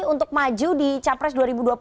untuk maju di capres dua ribu dua puluh empat